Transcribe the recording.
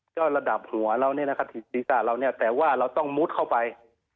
ก็ระดับหัวเราศีรษะเราแต่ว่าเราต้องมุดเข้าไป